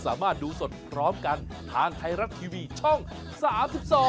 สวัสดีค่ะ